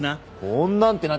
こんなんって何？